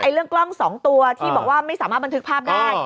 เรื่องกล้อง๒ตัวที่บอกว่าไม่สามารถบันทึกภาพได้